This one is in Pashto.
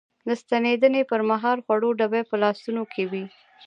د ستنېدنې پر مهال خوړو ډبي په لاسونو کې وې.